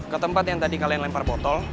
ke tempat yang tadi kalian lempar botol